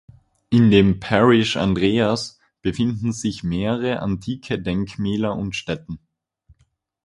In dem Parish Andreas befinden sich mehrere antike Denkmäler und Stätten.